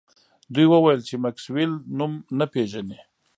دوی وویل چې میکسویل نوم نه پیژني